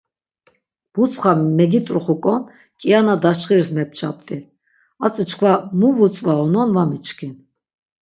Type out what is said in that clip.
Butsxa megit̆roxuk̆on kiana daçxiris mepçapt̆i, atzi çkva mu vutzvaunon va miçkin.